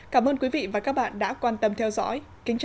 cảm ơn các bạn đã theo dõi